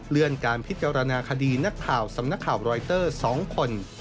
การพิจารณาคดีนักข่าวสำนักข่าวรอยเตอร์๒คน